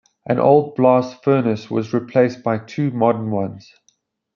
An old blast furnace was replaced by two modern ones.